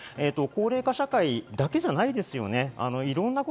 高齢化社会だけじゃないですよね。